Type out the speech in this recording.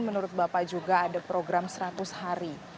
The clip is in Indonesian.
menurut bapak juga ada program seratus hari